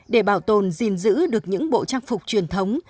để bảo tồn gìn giữ được những bộ trang phục truyền thống